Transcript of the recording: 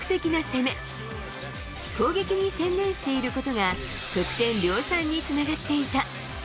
攻撃に専念していることが得点量産につながっていた。